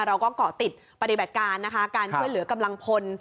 เราก็เกาะติดปฏิบัติการนะคะการช่วยเหลือกำลังพล